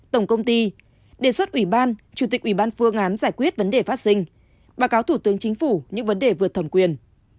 tổng công ty đề xuất uban chủ tịch uban phương án giải quyết vấn đề phát sinh báo cáo thủ tướng chính phủ những vấn đề vượt thẩm quyền